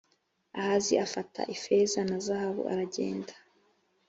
ahazi afata ifeza na zahabu aragenda